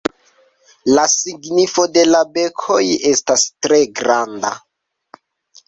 La signifo de la bekoj estas tre granda.